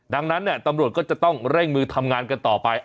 ดังนั้นตำรวจก็จะต้องเร่งมือทำงานกันต่อไป